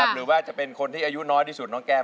หรือว่าเอียดคนที่อายุน้อยได้น้องแก้ม